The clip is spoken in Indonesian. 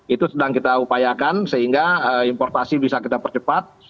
itu sedang kita upayakan sehingga importasi bisa kita percepat